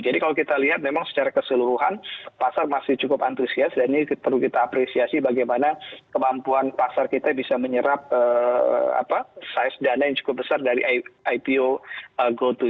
jadi kalau kita lihat memang secara keseluruhan pasar masih cukup antusias dan ini perlu kita apresiasi bagaimana kemampuan pasar kita bisa menyerap size dana yang cukup besar dari ipo gotoh